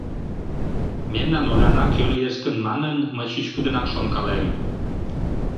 Мемнан Оляна кӧ лиеш гын манын, мый чӱчкыдынак шонкалем.